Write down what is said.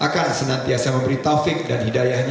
yang mau disampaikan